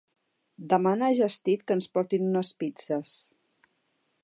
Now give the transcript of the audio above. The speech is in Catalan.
Demana a Just eat que ens portin unes pizzes.